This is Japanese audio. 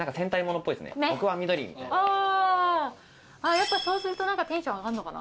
やっぱそうするとテンション上がんのかな？